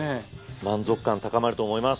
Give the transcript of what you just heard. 満足感高まると思います。